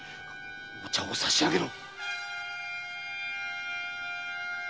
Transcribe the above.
お茶を差し上げろ！